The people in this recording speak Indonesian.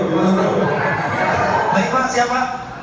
pak iva siapa